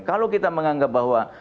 kalau kita menganggap bahwa